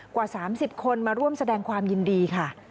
กว่า๓๐คนมาร่วมแสดงความยินดีค่ะ